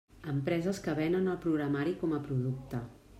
Empreses que venen el programari com a producte.